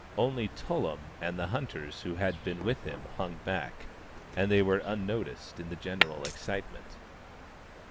Only Tullum and the hunters who had been with him hung back ; and they were unnoticed in the general excitement.